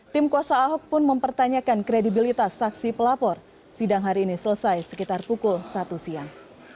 tim kuasa ahok pun mempertanyakan kredibilitas saksi pelapor sidang hari ini selesai sekitar pukul satu siang